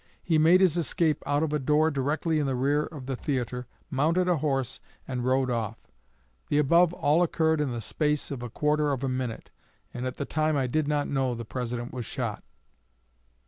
He made his escape out of a door directly in the rear of the theatre, mounted a horse, and rode off. The above all occurred in the space of a quarter of a minute, and at the time I did not know the President was shot."